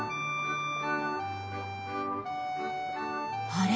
あれ？